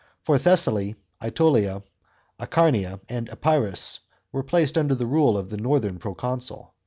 For Thessaly, ^tolia, Acarnania and Epirus * were placed under the rule of the northern proconsul.